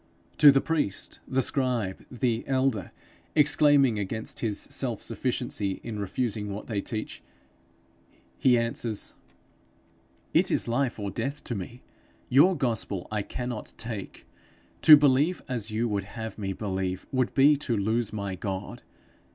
To the priest, the scribe, the elder, exclaiming against his self sufficiency in refusing what they teach, he answers, 'It is life or death to me. Your gospel I cannot take. To believe as you would have me believe, would be to lose my God.